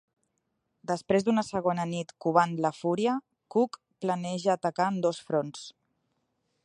Després d'una segona nit covant la fúria, Cook planeja atacar en dos fronts.